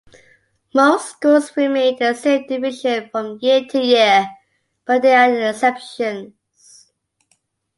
Most schools remain in the same division from year-to-year, but there are exceptions.